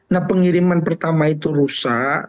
nah pengiriman pertama itu rusak